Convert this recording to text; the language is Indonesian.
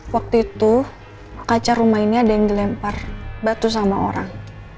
waktu itu kaca rumah ini ada yang dilempar batu sama orang